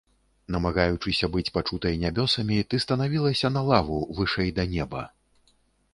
Намагаючыся быць пачутай Нябёсамі, ты станавілася на лаву, вышэй да неба.